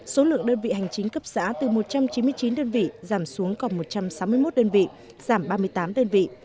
số lượng đơn vị hành chính cấp xã từ một trăm chín mươi chín đơn vị giảm xuống còn một trăm sáu mươi một đơn vị giảm ba mươi tám đơn vị